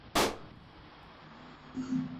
শান্ত হ, মাথা ঠান্ডা রাখ।